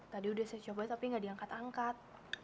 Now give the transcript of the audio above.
tadi udah saya coba tapi nggak diangkat angkat